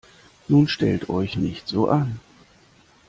Nun stellt euch nicht so an!